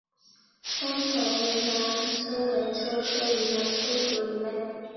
宽头云南鳅为鳅科云南鳅属的鱼类。